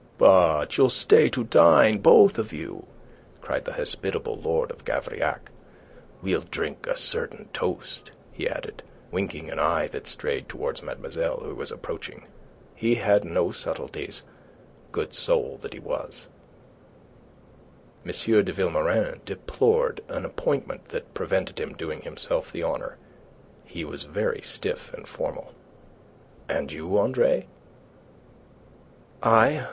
"But you'll stay to dine, both of you!" cried the hospitable Lord of Gavrillac. "We'll drink a certain toast," he added, winking an eye that strayed towards mademoiselle, who was approaching. He had no subtleties, good soul that he was. M. de Vilmorin deplored an appointment that prevented him doing himself the honour. He was very stiff and formal. "And you, Andre?" "I?